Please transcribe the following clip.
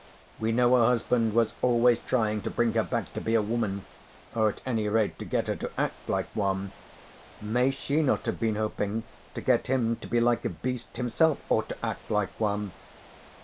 We know her husband was always trying to bring her back to be a woman, or at any rate to get her to act like one, may she not have been hoping to get him to be like a beast himself or to act like one?